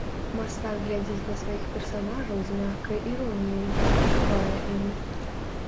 Мастак глядзіць на сваіх персанажаў з мяккай іроніяй, спачувае ім.